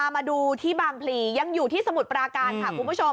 มาดูที่บางพลียังอยู่ที่สมุทรปราการค่ะคุณผู้ชม